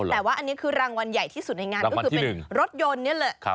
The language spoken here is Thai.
แต่ว่าอันนี้คือรางวัลใหญ่ที่สุดในงานก็คือเป็นรถยนต์นี่แหละ